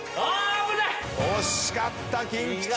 惜しかったキンキチーム。